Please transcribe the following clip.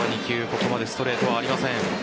ここまでストレートはありません。